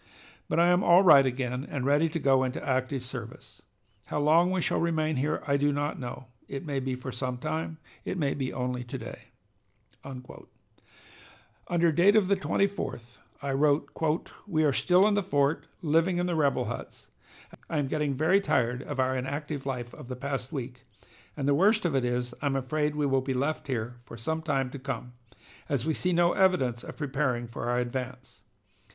But I am 'all right' again and ready to go into active service. How long we shall remain here I do not know. It may be for some time, it may be only to day." Under date of the 24th I wrote: "We are still in the fort, living in the rebel huts. I am getting very tired of our inactive life of the past week, and the worst of it is I'm afraid we will be left here for some time to come, as we see no evidence of preparing for our advance.